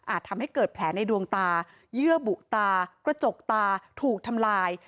ทำให้เกิดแผลในดวงตาเยื่อบุตากระจกตาถูกทำลาย